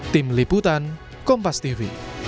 tim liputan kompas tv